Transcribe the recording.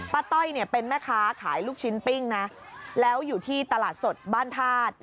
ต้อยเนี่ยเป็นแม่ค้าขายลูกชิ้นปิ้งนะแล้วอยู่ที่ตลาดสดบ้านธาตุ